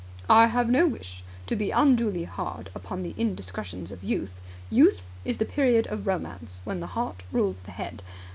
"I have no wish to be unduly hard upon the indiscretions of Youth. Youth is the period of Romance, when the heart rules the head.